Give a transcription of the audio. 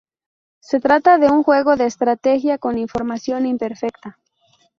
Se trata de un juego de estrategia con información imperfecta.